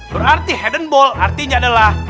berarti headden ball artinya adalah